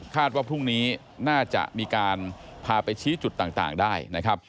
คาดว่าพรุ่งนี้น่าจะมีการพาไปชี้จุดต่างได้